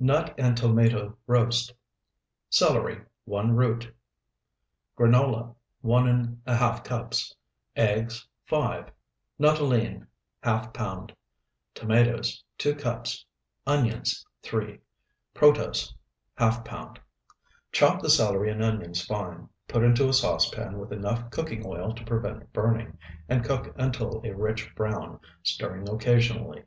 NUT AND TOMATO ROAST Celery, 1 root. Granola, 1½ cups. Eggs, 5. Nuttolene, ½ pound. Tomatoes, 2 cups. Onions, 3. Protose, ½ pound. Chop the celery and onions fine, put into a saucepan with enough cooking oil to prevent burning, and cook until a rich brown, stirring occasionally.